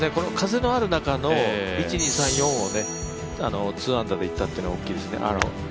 風のある中の１、２、３、４を２アンダーでいったというのは大きいですね。